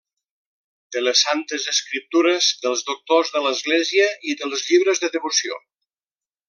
De les Santes Escriptures, dels Doctors de l'Església i dels llibres de devoció.